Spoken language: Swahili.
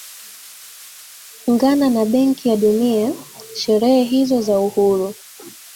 ngana na benki ya dunia sherehe hizo za uhuru